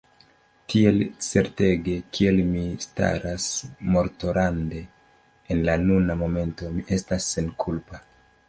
Tiel certege kiel mi staras mortorande en la nuna momento, mi estas senkulpa.